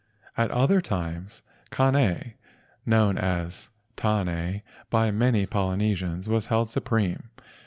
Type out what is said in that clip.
At other times Kane, known as Tane by many Polynesians, was held supreme.